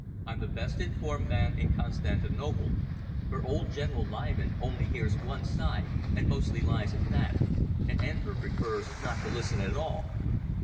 I'm the best informed man in Constantinople, for old General Liman only hears one side, and mostly lies at that, and Enver prefers not to listen at all.